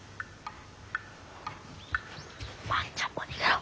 万ちゃんも逃げろ。